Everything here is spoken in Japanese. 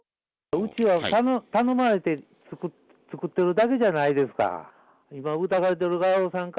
うちは頼まれて作ってるだけじゃないですか。